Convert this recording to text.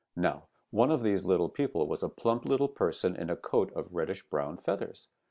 "Now one of these little people was a plump little person in a coat of reddish brown feathers.